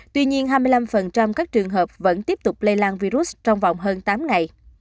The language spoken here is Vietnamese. tuy nhiên hai mươi năm các trường hợp vẫn tiếp tục lây lan virus trong vòng hơn tám ngày